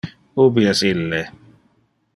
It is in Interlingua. Ubi es ille?